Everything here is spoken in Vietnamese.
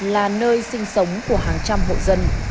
là nơi sinh sống của hàng trăm hộ dân